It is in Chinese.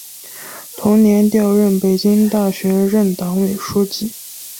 同年调任北京大学任党委书记。